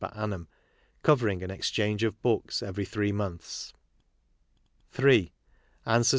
per annum, covering an exchange of books every three months ; (iii.) Answers.